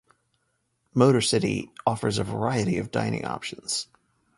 MotorCity offers a variety of dining options.